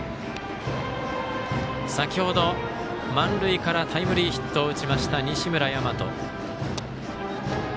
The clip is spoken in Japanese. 先ほど、満塁からタイムリーヒットを打ちました西村大和。